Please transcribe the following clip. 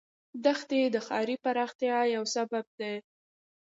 دښتې د ښاري پراختیا یو سبب دی.